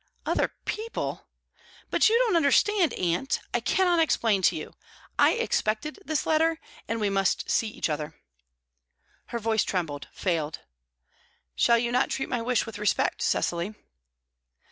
"Other people? But you don't understand, aunt. I cannot explain to you. I expected this letter; and we must see each other." Her voice trembled, failed. "Shall you not treat my wish with respect, Cecily?"